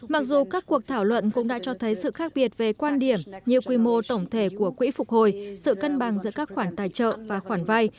mặc dù các cuộc thảo luận cũng đã cho thấy sự khác biệt về quan điểm như quy mô tổng thể của quỹ phục hồi sự cân bằng giữa các khoản tài trợ và khoản vay